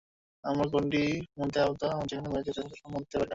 আমরা গণ্ডির মধ্যে আবদ্ধ, যেখানে মেয়েদের যথাযথ সম্মান দিতে পারি না।